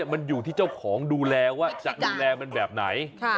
มันอยู่ที่เจ้าของดูแลว่าจะดูแลมันแบบไหน